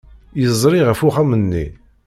Yezri ɣef uxxam-nni.